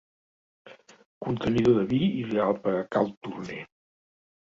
Contenidor de vi ideal per a cal Turner.